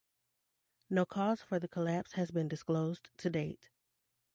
No cause for the collapse has been disclosed to date.